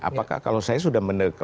apakah kalau saya sudah menekan